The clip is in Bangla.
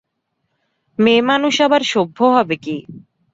মেয়েমানুষ আবার সভ্য হবে কী!